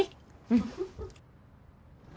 うん。